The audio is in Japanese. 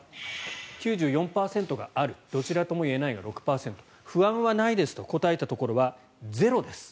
９４％が、あるどちらともいえないが６％不安はないですと答えたところは０です。